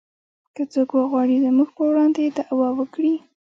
که څوک وغواړي زموږ په وړاندې دعوه وکړي